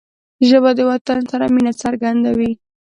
ژبه د وطن سره مینه څرګندوي